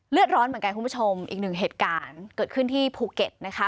เลือดร้อนเหมือนกันคุณผู้ชมอีกหนึ่งเหตุการณ์เกิดขึ้นที่ภูเก็ตนะคะ